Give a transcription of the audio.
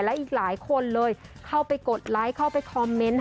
และอีกหลายคนเลยเข้าไปกดไลค์เข้าไปคอมเมนต์